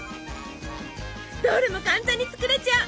どれも簡単に作れちゃう！